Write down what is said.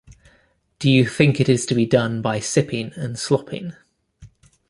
Do you think it is to be done by sipping and slopping?